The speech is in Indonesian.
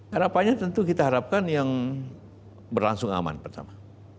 harapannya tentu kita harapkan yang berlangsung aman pertama